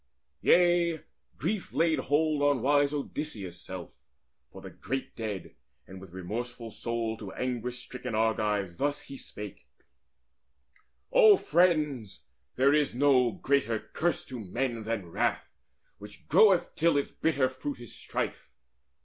Yea, grief laid hold on wise Odysseus' self For the great dead, and with remorseful soul To anguish stricken Argives thus he spake: "O friends, there is no greater curse to men Than wrath, which groweth till its bitter fruit Is strife.